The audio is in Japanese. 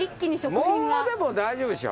もうでも大丈夫でしょ？